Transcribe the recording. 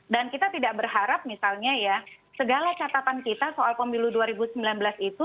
dan kita tidak berharap misalnya ya segala catatan kita soal pemilu dua ribu sembilan belas itu